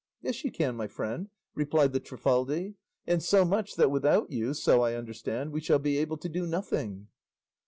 "Yes, you can, my friend," replied the Trifaldi; "and so much, that without you, so I understand, we shall be able to do nothing."